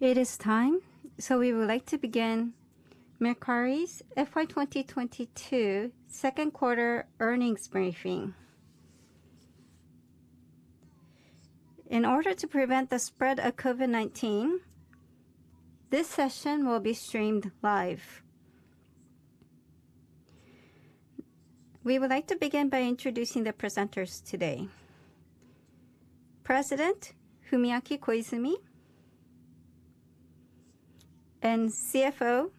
It is time, so we would like to begin Mercari's FY 2022 second quarter earnings briefing. In order to prevent the spread of COVID-19, this session will be streamed live. We would like to begin by introducing the presenters today. President Fumiaki Koizumi and CFO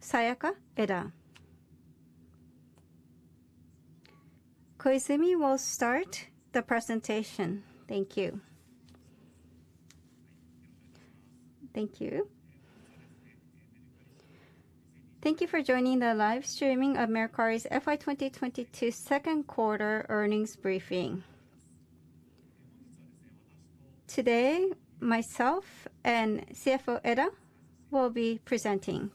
Sayaka Eda. Koizumi will start the presentation. Thank you. Thank you for joining the live streaming of Mercari's FY 2022 second quarter earnings briefing. Today, myself and CFO Eda will be presenting.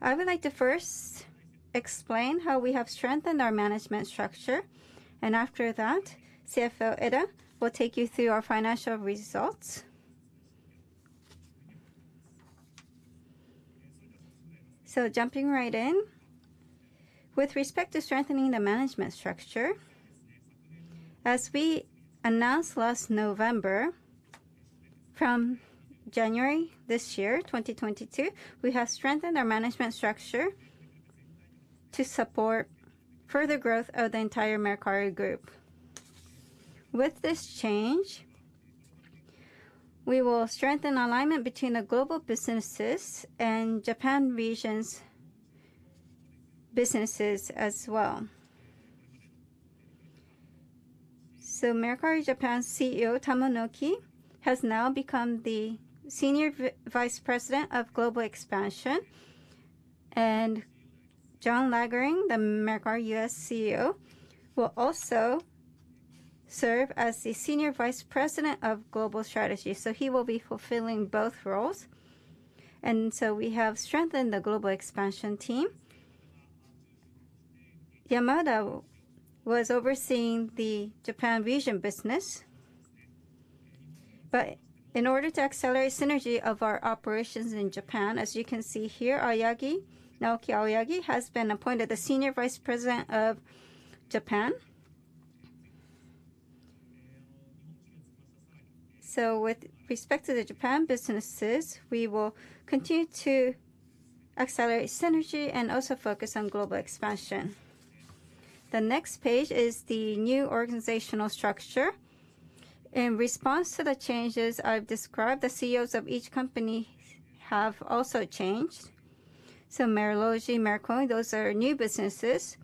I would like to first explain how we have strengthened our management structure, and after that, CFO Eda will take you through our financial results. Jumping right in. With respect to strengthening the management structure, as we announced last November, from January this year, 2022, we have strengthened our management structure to support further growth of the entire Mercari group. With this change, we will strengthen alignment between the global businesses and Japan region's businesses as well. Mercari Japan CEO Hirohisa Tamonoki has now become the Senior Vice President of Global Expansion, and John Lagerling, the Mercari US CEO, will also serve as the Senior Vice President of Global Strategy. He will be fulfilling both roles. We have strengthened the global expansion team. Yamada was overseeing the Japan region business. In order to accelerate synergy of our operations in Japan, as you can see here, Aoyagi, Naoki Aoyagi, has been appointed the Senior Vice President of Japan. With respect to the Japan businesses, we will continue to accelerate synergy and also focus on global expansion. The next page is the new organizational structure. In response to the changes I've described, the CEOs of each company have also changed. Merlogi, Mercoin, those are new businesses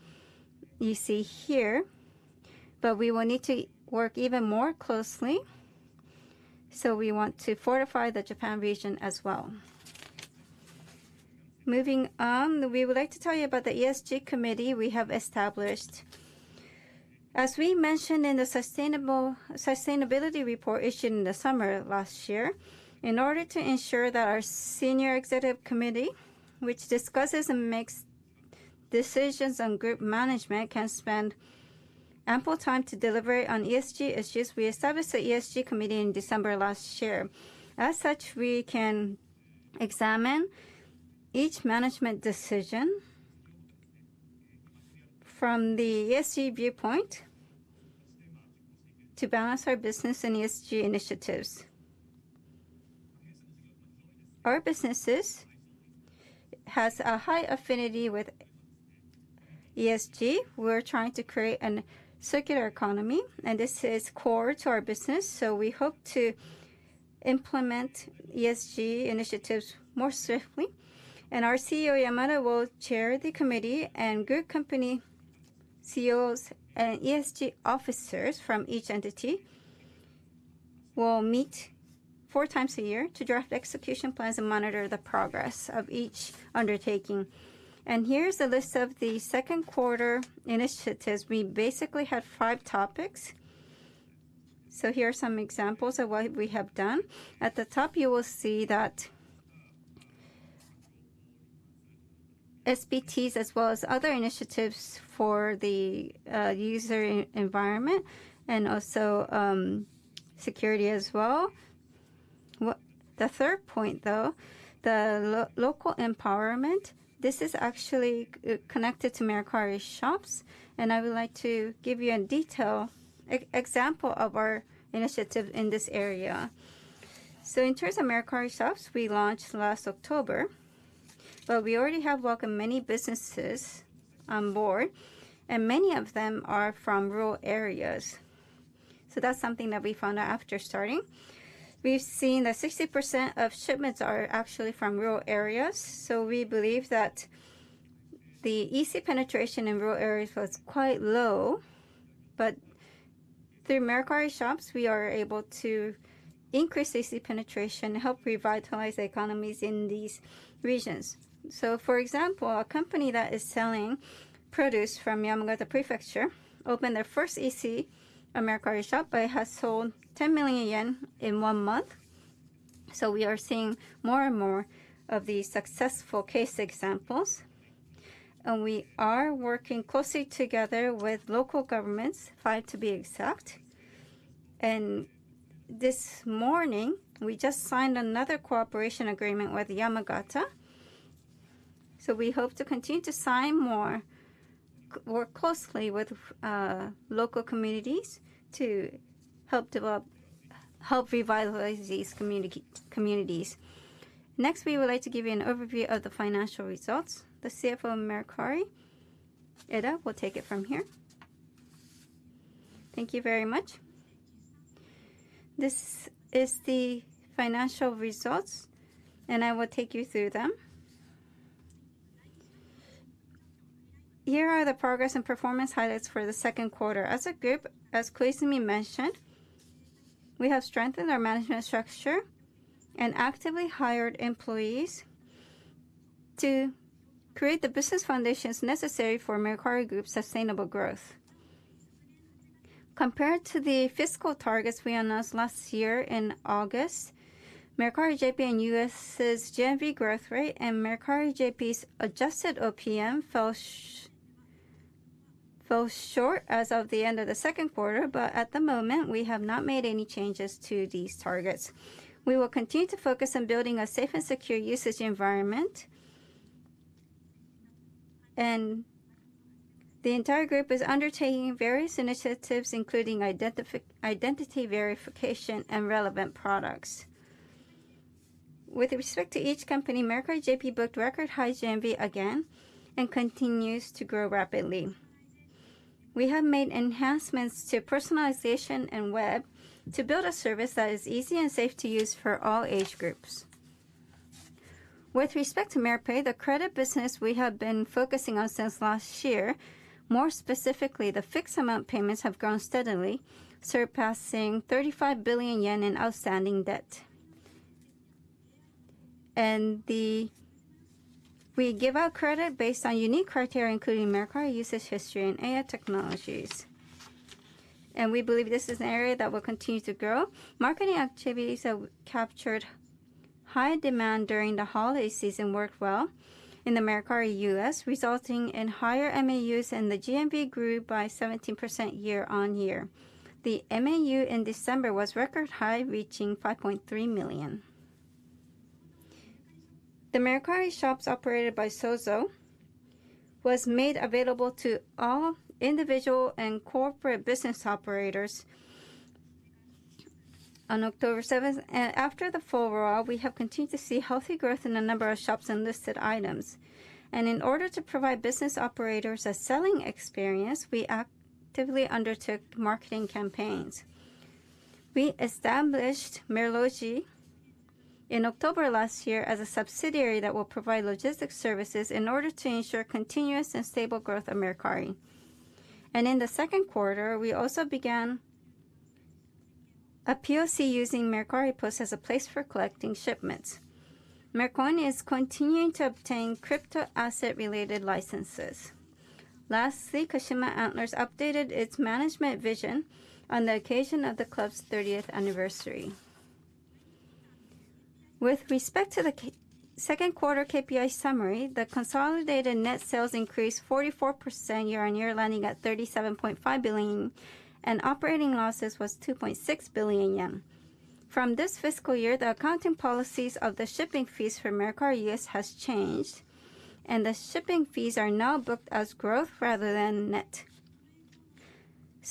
you see here. We will need to work even more closely, so we want to fortify the Japan region as well. Moving on, we would like to tell you about the ESG Committee we have established. As we mentioned in the sustainability report issued in the summer of last year, in order to ensure that our senior executive committee, which discusses and makes decisions on group management, can spend ample time to deliberate on ESG issues, we established the ESG Committee in December last year. As such, we can examine each management decision from the ESG viewpoint to balance our business and ESG initiatives. Our businesses has a high affinity with ESG. We're trying to create an circular economy, and this is core to our business, so we hope to implement ESG initiatives more swiftly. Our CEO, Yamada, will chair the committee, and group company CEOs and ESG officers from each entity will meet four times a year to draft execution plans and monitor the progress of each undertaking. Here's a list of the second quarter initiatives. We basically had five topics. Here are some examples of what we have done. At the top, you will see that SBTs as well as other initiatives for the user environment and also security as well. The third point, though, the local empowerment, this is actually connected to Mercari Shops, and I would like to give you in detail example of our initiative in this area. In terms of Mercari Shops, we launched last October, but we already have welcomed many businesses on board, and many of them are from rural areas. That's something that we found out after starting. We've seen that 60% of shipments are actually from rural areas, so we believe that the EC penetration in rural areas was quite low. Through Mercari Shops, we are able to increase EC penetration, help revitalize the economies in these regions. For example, a company that is selling produce from Yamagata Prefecture opened their first EC, a Mercari Shop, but it has sold 10 million yen in one month. We are seeing more and more of these successful case examples. We are working closely together with local governments, five to be exact. This morning, we just signed another cooperation agreement with Yamagata. We hope to continue to work closely with local communities to help revitalize these communities. Next, we would like to give you an overview of the financial results. The CFO of Mercari, Sayaka Eda, will take it from here. Thank you very much. This is the financial results, and I will take you through them. Here are the progress and performance highlights for the second quarter. As a group, as Fumiaki Koizumi mentioned, we have strengthened our management structure and actively hired employees to create the business foundations necessary for Mercari Group's sustainable growth. Compared to the fiscal targets we announced last year in August, Mercari JP and U.S.'s GMV growth rate and Mercari JP's adjusted OPM fell short as of the end of the second quarter, but at the moment, we have not made any changes to these targets. We will continue to focus on building a safe and secure usage environment. The entire group is undertaking various initiatives, including identity verification and relevant products. With respect to each company, Mercari JP booked record high GMV again and continues to grow rapidly. We have made enhancements to personalization and web to build a service that is easy and safe to use for all age groups. With respect to Mercari, the credit business we have been focusing on since last year, more specifically, the fixed amount payments have grown steadily, surpassing 35 billion yen in outstanding debt. We give out credit based on unique criteria, including Mercari usage history and AI technologies. We believe this is an area that will continue to grow. Marketing activities that captured high demand during the holiday season worked well in the Mercari U.S., resulting in higher MAUs, and the GMV grew by 17% year-on-year. The MAU in December was record high, reaching 5.3 million. The Mercari Shops operated by Souzoh was made available to all individual and corporate business operators on October 7th. After the full rollout, we have continued to see healthy growth in the number of shops and listed items. In order to provide business operators a selling experience, we actively undertook marketing campaigns. We established Merlogi in October last year as a subsidiary that will provide logistics services in order to ensure continuous and stable growth of Mercari. In the second quarter, we also began a POC using Mercari Post as a place for collecting shipments. Mercoin is continuing to obtain crypto asset-related licenses. Lastly, Kashima Antlers updated its management vision on the occasion of the club's 30th anniversary. With respect to the second quarter KPI summary, the consolidated net sales increased 44% year-on-year, landing at 37.5 billion, and operating losses was 2.6 billion yen. From this fiscal year, the accounting policies of the shipping fees for Mercari US has changed, and the shipping fees are now booked as gross rather than net.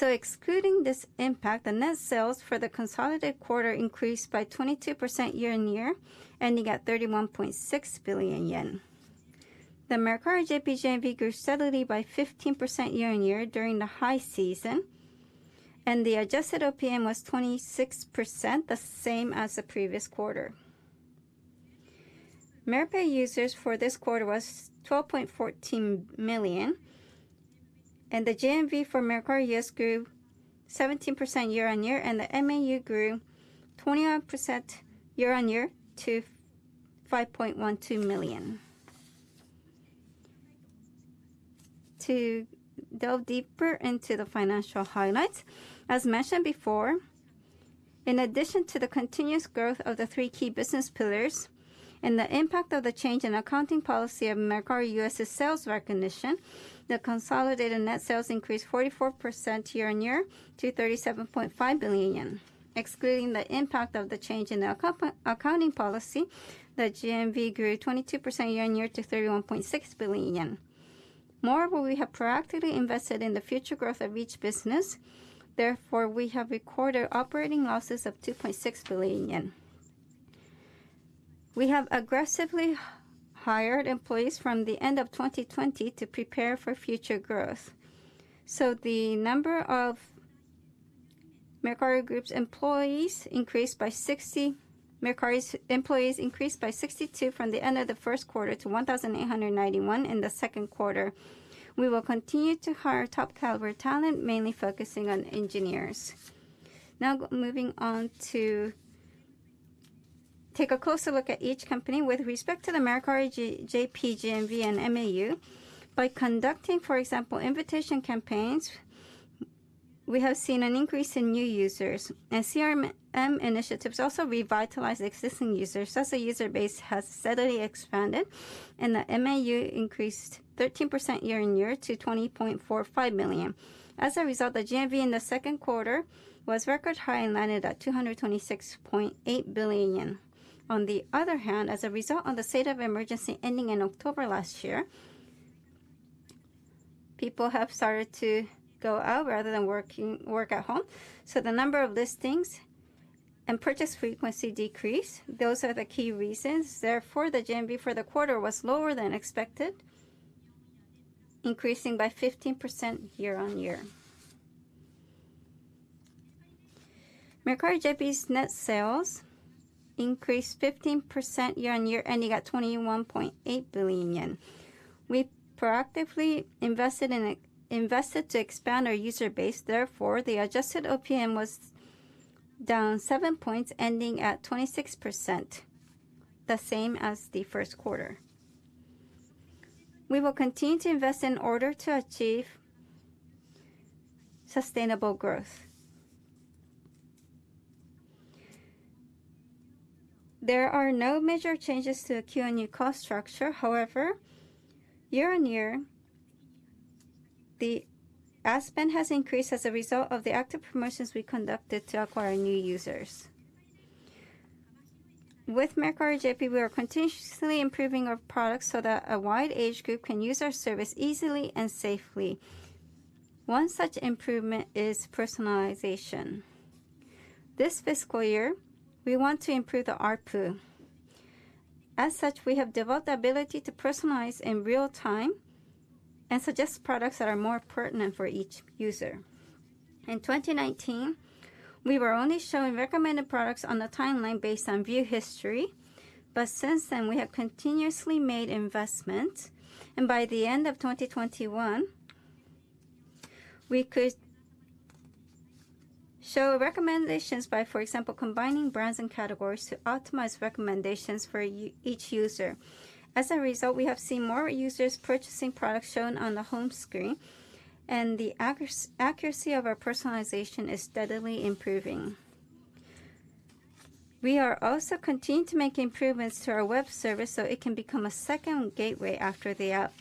Excluding this impact, the net sales for the consolidated quarter increased by 22% year-on-year, ending at 31.6 billion yen. The Mercari JP GMV grew steadily by 15% year-on-year during the high season, and the adjusted OPM was 26%, the same as the previous quarter. Mercari users for this quarter was 12.14 million, and the GMV for Mercari US grew 17% year-over-year, and the MAU grew 21% year-over-year to 5.12 million. To delve deeper into the financial highlights, as mentioned before, in addition to the continuous growth of the three key business pillars and the impact of the change in accounting policy of Mercari US's sales recognition, the consolidated net sales increased 44% year-over-year to 37.5 billion yen. Excluding the impact of the change in the accounting policy, the GMV grew 22% year-over-year to 31.6 billion yen. Moreover, we have proactively invested in the future growth of each business. Therefore, we have recorded operating losses of 2.6 billion yen. We have aggressively hired employees from the end of 2020 to prepare for future growth. The number of Mercari Group's employees increased by 62—Mercari's employees increased by 62 from the end of the first quarter to 1,891 in the second quarter. We will continue to hire top-caliber talent, mainly focusing on engineers. Moving on to take a closer look at each company. With respect to the Mercari JP GMV and MAU, by conducting, for example, invitation campaigns. We have seen an increase in new users and CRM initiatives also revitalize existing users as the user base has steadily expanded and the MAU increased 13% year-on-year to 20.45 million. As a result, the GMV in the second quarter was record high and landed at 226.8 billion yen. On the other hand, as a result of the state of emergency ending in October last year, people have started to go out rather than work at home. The number of listings and purchase frequency decreased. Those are the key reasons. Therefore, the GMV for the quarter was lower than expected, increasing by 15% year-on-year. Mercari JP's net sales increased 15% year-on-year, ending at JPY 21.8 billion. We proactively invested to expand our user base. Therefore, the adjusted OPM was down seven points, ending at 26%, the same as the first quarter. We will continue to invest in order to achieve sustainable growth. There are no major changes to the Q&A cost structure. However, year-on-year, the ad spend has increased as a result of the active promotions we conducted to acquire new users. With Mercari JP, we are continuously improving our products so that a wide age group can use our service easily and safely. One such improvement is personalization. This fiscal year, we want to improve the ARPU. As such, we have developed the ability to personalize in real time and suggest products that are more pertinent for each user. In 2019, we were only showing recommended products on the timeline based on view history. Since then, we have continuously made investments. By the end of 2021, we could show recommendations by, for example, combining brands and categories to optimize recommendations for each user. As a result, we have seen more users purchasing products shown on the home screen, and the accuracy of our personalization is steadily improving. We are also continuing to make improvements to our web service, so it can become a second gateway after the app.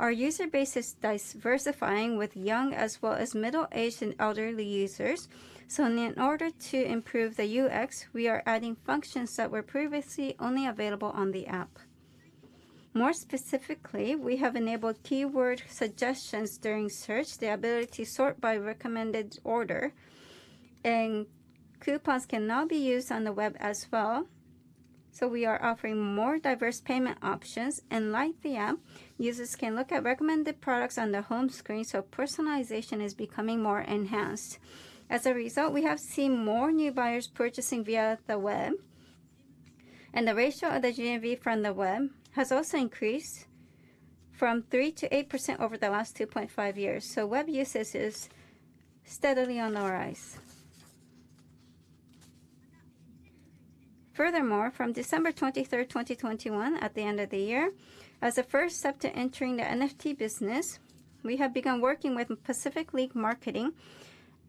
Our user base is diversifying with young as well as middle-aged and elderly users. In order to improve the UX, we are adding functions that were previously only available on the app. More specifically, we have enabled keyword suggestions during search, the ability to sort by recommended order, and coupons can now be used on the web as well. We are offering more diverse payment options. Like the app, users can look at recommended products on the home screen, so personalization is becoming more enhanced. As a result, we have seen more new buyers purchasing via the web, and the ratio of the GMV from the web has also increased from 3%-8% over the last 2.5 years. Web usage is steadily on the rise. Furthermore, from December 23, 2021, at the end of the year, as a first step to entering the NFT business, we have begun working with Pacific League Marketing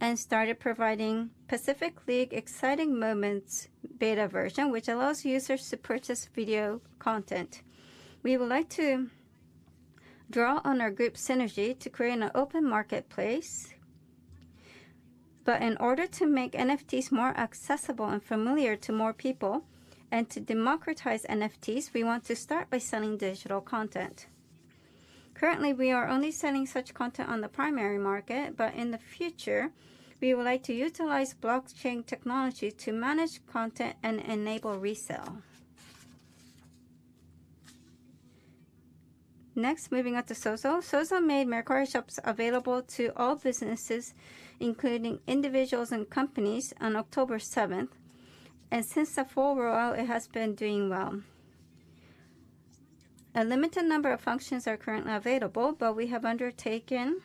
and started providing Pacific League Exciting Moments β, which allows users to purchase video content. We would like to draw on our group synergy to create an open marketplace. In order to make NFTs more accessible and familiar to more people and to democratize NFTs, we want to start by selling digital content. Currently, we are only selling such content on the primary market, but in the future, we would like to utilize blockchain technology to manage content and enable resale. Next, moving on to Souzoh. Souzoh made Mercari Shops available to all businesses, including individuals and companies, on October 7. Since the full rollout, it has been doing well. A limited number of functions are currently available, but we have undertaken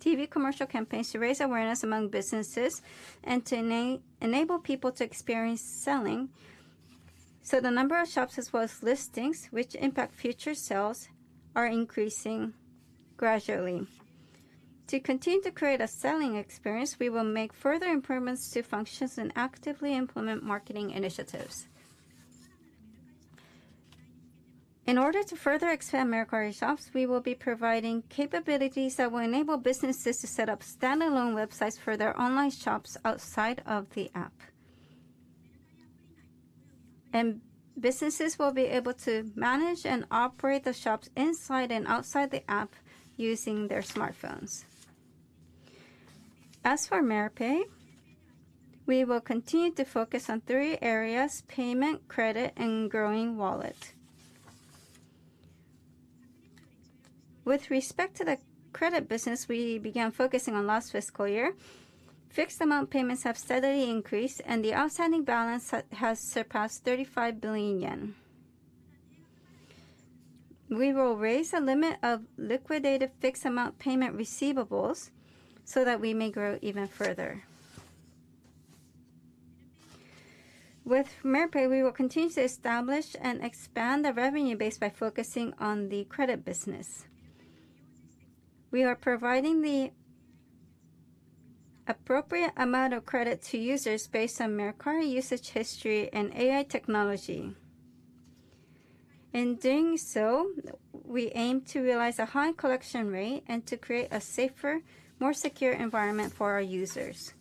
TV commercial campaigns to raise awareness among businesses and to enable people to experience selling. The number of shops as well as listings, which impact future sales, are increasing gradually. To continue to create a selling experience, we will make further improvements to functions and actively implement marketing initiatives. In order to further expand Mercari Shops, we will be providing capabilities that will enable businesses to set up standalone websites for their online shops outside of the app. Businesses will be able to manage and operate the shops inside and outside the app using their smartphones. As for Mercari, we will continue to focus on three areas: payment, credit, and growing wallet. With respect to the credit business we began focusing on last fiscal year, fixed amount payments have steadily increased and the outstanding balance has surpassed 35 billion yen. We will raise the limit of liquidated fixed amount payment receivables so that we may grow even further. With Mercari, we will continue to establish and expand the revenue base by focusing on the credit business. We are providing the appropriate amount of credit to users based on Mercari usage history and AI technology. In doing so, we aim to realize a high collection rate and to create a safer, more secure environment for our users.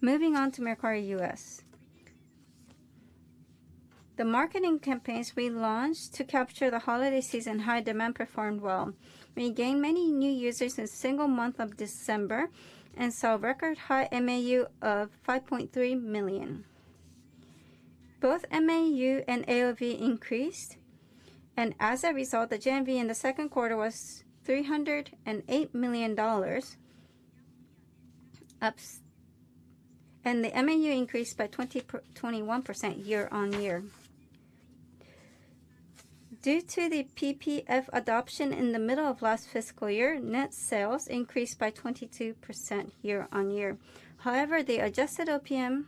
Moving on to Mercari US. The marketing campaigns we launched to capture the holiday season high demand performed well. We gained many new users in a single month of December and saw record high MAU of 5.3 million. Both MAU and AOV increased, and as a result, the GMV in the second quarter was $308 million. The MAU increased by 21% year-on-year. Due to the PPF adoption in the middle of last fiscal year, net sales increased by 22% year-on-year. However, the adjusted OPM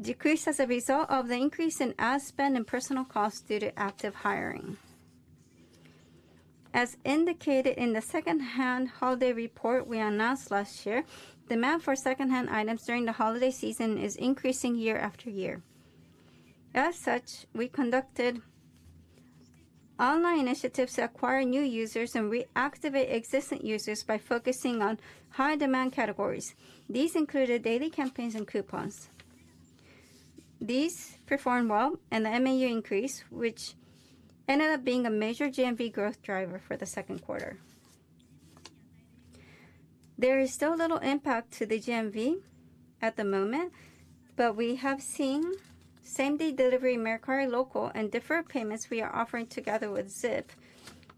decreased as a result of the increase in ad spend and personnel costs due to active hiring. As indicated in the second-hand holiday report we announced last year, demand for second-hand items during the holiday season is increasing year after year. As such, we conducted online initiatives to acquire new users and reactivate existing users by focusing on high demand categories. These included daily campaigns and coupons. These performed well, and the MAU increased, which ended up being a major GMV growth driver for the second quarter. There is still little impact to the GMV at the moment, but we have seen same-day delivery, Mercari Local and deferred payments we are offering together with Zip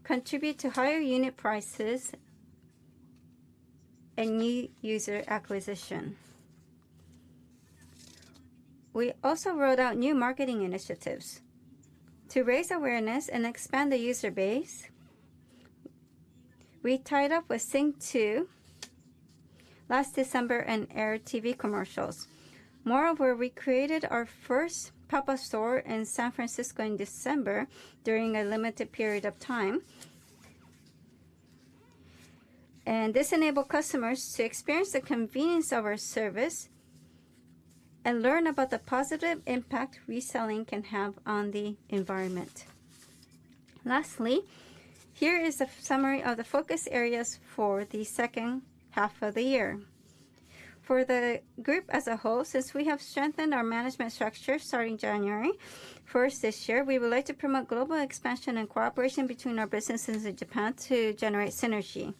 contribute to higher unit prices and new user acquisition. We also rolled out new marketing initiatives. To raise awareness and expand the user base, we tied up with Synq2 last December and aired TV commercials. Moreover, we created our first pop-up store in San Francisco in December during a limited period of time. This enabled customers to experience the convenience of our service and learn about the positive impact reselling can have on the environment. Lastly, here is a summary of the focus areas for the second half of the year. For the group as a whole, since we have strengthened our management structure starting January first this year, we would like to promote global expansion and cooperation between our businesses in Japan to generate synergy.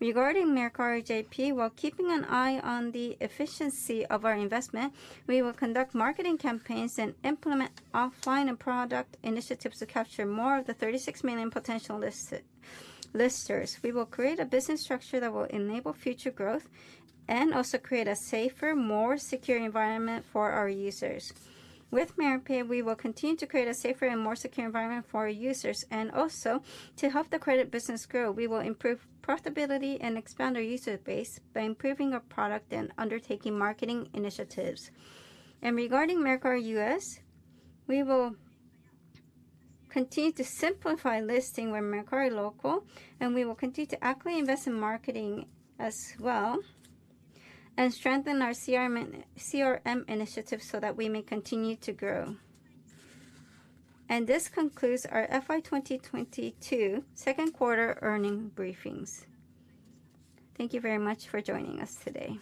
Regarding Mercari JP, while keeping an eye on the efficiency of our investment, we will conduct marketing campaigns and implement offline and product initiatives to capture more of the 36 million potential listers. We will create a business structure that will enable future growth and also create a safer, more secure environment for our users. With Mercari, we will continue to create a safer and more secure environment for our users. To help the credit business grow, we will improve profitability and expand our user base by improving our product and undertaking marketing initiatives. Regarding Mercari U.S., we will continue to simplify listing with Mercari Local, and we will continue to actively invest in marketing as well and strengthen our CRM initiatives so that we may continue to grow. This concludes our FY 2022 second quarter earnings briefing. Thank you very much for joining us today.